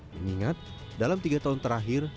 mengingat dalam tiga tahun terakhir